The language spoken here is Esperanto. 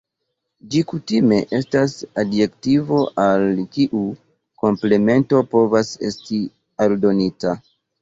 Ĝi kutime estas adjektivo al kiu komplemento povas esti aldonita.